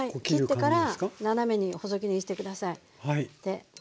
切ってから斜めに細切りにして下さい。